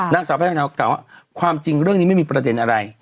นางสาวแพทย์ทองทานว่าความจริงเรื่องนี้ไม่มีประเด็นอะไร